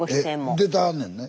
出てはんねんね？